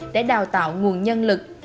để đào tạo nguồn nhân lực